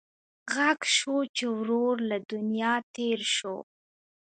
غږ شو چې ورور له دنیا تېر شو.